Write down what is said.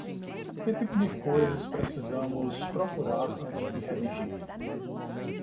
Que tipo de coisas precisamos procurar antes de redigir?